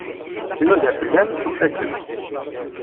Tnuda fell-am, tufa-kem.